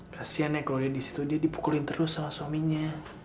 kasian ya kalau dia di situ dia dipukulin terus sama suaminya